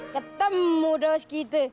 ketemu dos kita